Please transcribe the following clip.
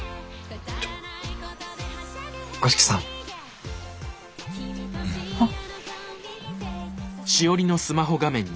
ちょ五色さん。あっ。